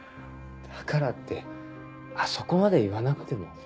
だからってあそこまで言わなくても。